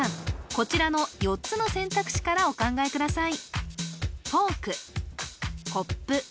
こちらの４つの選択肢からお考えください